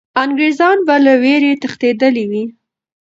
انګریزان به له ویرې تښتېدلي وي.